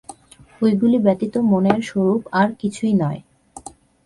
ঐগুলি ব্যতীত মনের স্বরূপ আর কিছুই নয়।